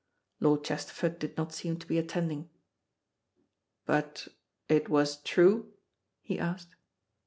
Lord Chesterford did not seem to be attending. "But it was true?" he asked.